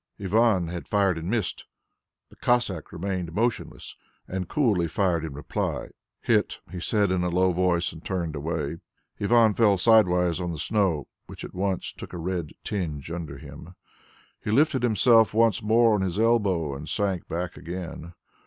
Ivan had fired and missed. The Cossack remained motionless and coolly fired in reply. "Hit!" he said in a low voice and turned away. Ivan fell sideways on the snow, which at once took a red tinge under him. He lifted himself once more on his elbow and sank back again.